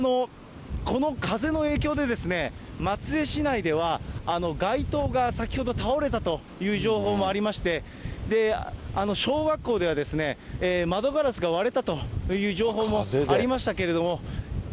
この風の影響で、松江市内では、街灯が先ほど倒れたという情報もありまして、小学校では、窓ガラスが割れたという情報もありましたけれども。